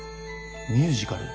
ミュージカル？